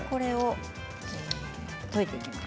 溶いていきます。